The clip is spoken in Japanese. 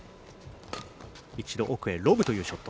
一度、奥へロブというショット。